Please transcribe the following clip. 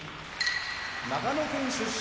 長野県出身